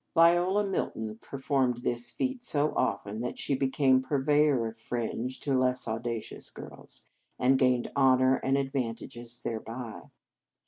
Viola Milton per 236 The Game of Love formed this feat so often that she became purveyor of fringe to less au dacious girls, and gained honour and advantages thereby.